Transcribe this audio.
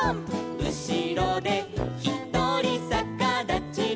「うしろでひとりさかだちルー」